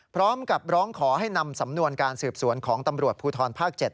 พร้อมกับร้องขอให้นำสำนวนการสืบสวนของตำรวจภูทรภาค๗